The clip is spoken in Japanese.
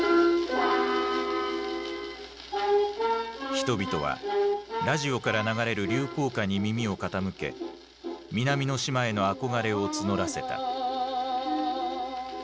人々はラジオから流れる流行歌に耳を傾け南の島への憧れを募らせた。